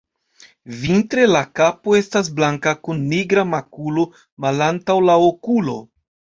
Vintre la kapo estas blanka kun nigra makulo malantaŭ la okulo.